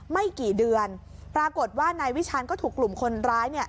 ไม่กี่เดือนปรากฏว่านายวิชาณก็ถูกกลุ่มคนร้ายเนี่ย